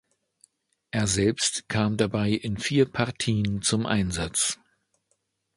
Er selbst kam dabei in vier Partien zum Einsatz.